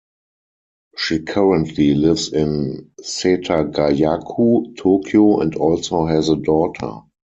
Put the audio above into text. She currently lives in Setagaya-ku, Tokyo, and also has a daughter.